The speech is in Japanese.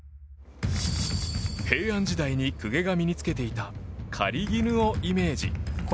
平安時代に公家が身に着けていた狩衣をイメージ。